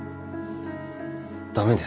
駄目ですか？